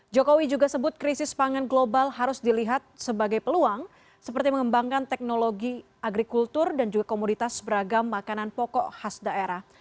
jokowi juga sebut krisis pangan global harus dilihat sebagai peluang seperti mengembangkan teknologi agrikultur dan juga komoditas beragam makanan pokok khas daerah